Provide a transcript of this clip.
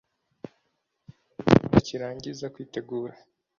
aribwo akirangiza kwitegura